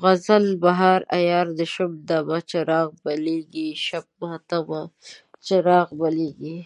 غزل: بهار عیار ده شومه دمه، چراغ بلیږي شبِ ماتمه، چراغ بلیږي